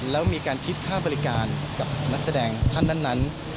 แล้วมีการคิดค่าบริการกับนักแสดงท่านนั้น